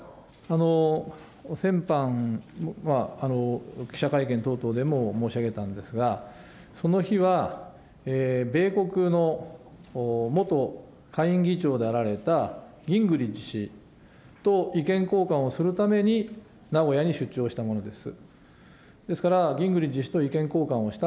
先般は、記者会見等々でも申し上げたんですが、その日は、米国の元下院議長であられた氏と意見交換をするために名古屋に出張したものです。